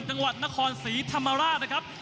จังหวัดนครศรีธรรมราชนะครับ